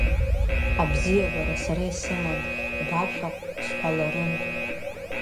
Абзиабара сара исыман, башәахә сҳәаларын,!